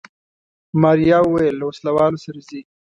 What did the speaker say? ماريا وويل له وسله والو سره ځي.